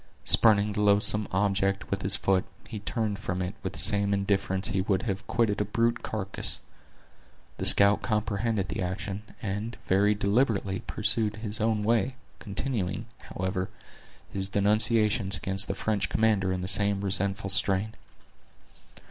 Spurning the loathsome object with his foot, he turned from it with the same indifference he would have quitted a brute carcass. The scout comprehended the action, and very deliberately pursued his own way, continuing, however, his denunciations against the French commander in the same resentful strain.